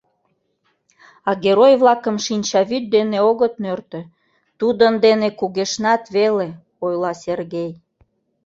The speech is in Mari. А герой-влакым шинчавӱд дене огыт нӧртӧ, тудын дене кугешнат веле, — ойла Сергей.